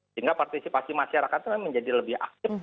sehingga partisipasi masyarakat itu menjadi lebih aktif